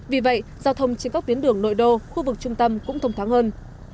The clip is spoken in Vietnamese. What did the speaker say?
vì vậy giao thông trên các tuyến đường nội đô khu vực trung tâm cũng thông thoáng hơn